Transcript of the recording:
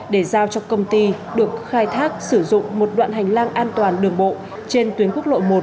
để giao cho công ty được khai thác sử dụng một đoạn hành lang an toàn đường bộ trên tuyến quốc lộ một